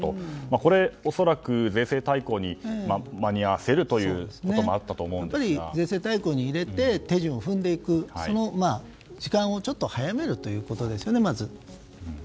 これ恐らく税制大綱に間に合わせることもやっぱり、税制大綱に入れて手順を踏んでいく、その時間を早めるということですよね。